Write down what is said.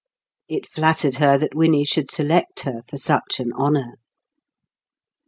It flattered her that Winnie should select her for such an honour.